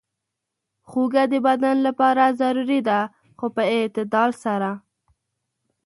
خوږه د بدن لپاره ضروري ده، خو په اعتدال سره.